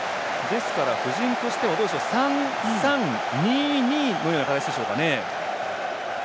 ですから、布陣としては３−３−２−２のような形でしょうかね。